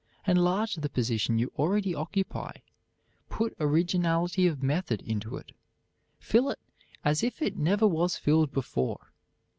Enlarge the position you already occupy; put originality of method into it. Fill it as it never was filled before.